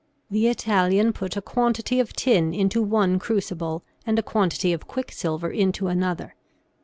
The Italian put a quantity of tin into one crucible, and a quantity of quicksilver into another.